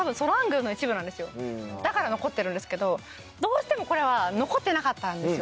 だから残ってるんですけどどうしてもこれは残ってなかったんですよ。